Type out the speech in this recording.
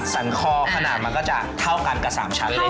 สันคอขนาดมันก็จะเท่ากันกับ๓ชั้นเลย